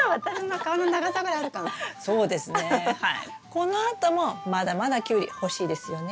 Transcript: このあともまだまだキュウリ欲しいですよね？